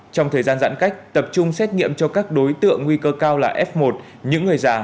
trong thời gian giãn cách tập trung xét nghiệm cho các đối tượng nguy cơ cao là f một những người già